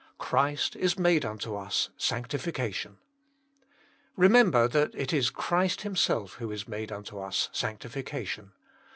«* Christ is made unto us sanctifica tion." Remember that it is Christ Himself who is made unto us sanctifi cation.